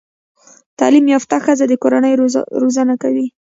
تعليم يافته ښځه د کورنۍ روزانه کوي